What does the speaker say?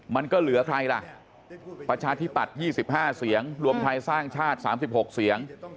มันก็เหลือใครล่ะประชาธิปัตย์๒๕เสียงรวมไทยสร้างชาติ๓๖เสียง